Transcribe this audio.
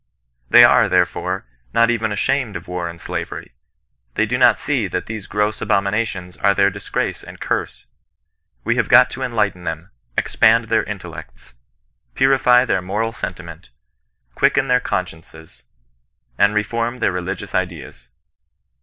They are, therefore, not even ashamed of war and slavery. They do not see that these gross abominations are their dis grace and curse. We have got to enlighten them, expand their intellects, purify their moral sentiment, quicken their consciences, and reform their religious ideas.